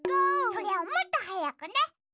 それをもっとはやくね。